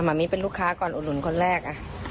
หมะมี่เป็นลูกค้าก่อนอะหลุ่นคนแรก